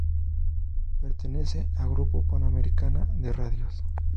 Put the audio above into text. Pertenece a Grupo Panamericana de Radios.